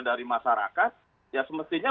dari masyarakat ya semestinya